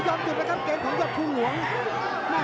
สองครั้งแล้วสองครั้งแล้ว